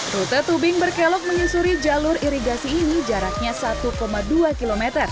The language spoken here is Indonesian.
rute tubing berkelok menyusuri jalur irigasi ini jaraknya satu dua km